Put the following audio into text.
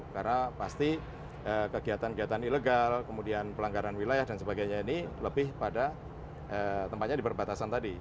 karena pasti kegiatan kegiatan ilegal kemudian pelanggaran wilayah dan sebagainya ini lebih pada tempatnya diperbatasan tadi